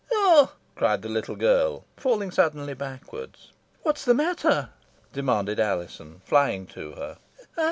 "Oh!" cried the little girl, falling suddenly backwards. "What's the matter?" demanded Alizon, flying to her.